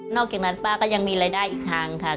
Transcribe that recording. จากนั้นป้าก็ยังมีรายได้อีกทางค่ะ